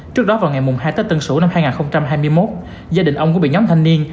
trước đó vào ngày hai tết tân sửu năm hai nghìn hai mươi một gia đình ông cũng bị nhóm thanh niên